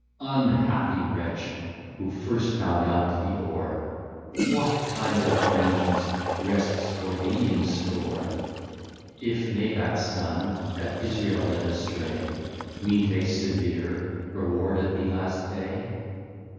Unhappy Wretch, who first found out the Oar, What kind of Vengeance rests for thee in store? If Nebats Son, that Israel led astray, Meet a severe Reward at the last Day?